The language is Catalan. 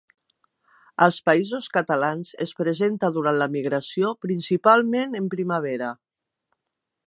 Als Països Catalans es presenta durant la migració, principalment en primavera.